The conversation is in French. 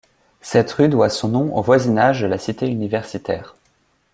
Cette rue doit son nom au voisinage de la Cité universitaire.